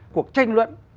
cuộc tranh luận